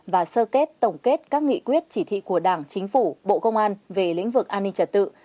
và sơ kết tổng kết các nghị quyết chỉ thị của đảng chính phủ bộ công an về lĩnh vực an ninh trật tự